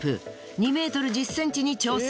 ２ｍ１０ｃｍに挑戦。